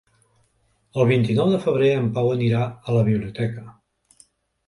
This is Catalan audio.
El vint-i-nou de febrer en Pau anirà a la biblioteca.